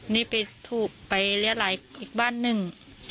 นี่ไปถูกไปเรียดหลายอีกบ้านหนึ่ง